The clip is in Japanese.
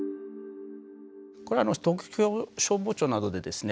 これは東京消防庁などでですね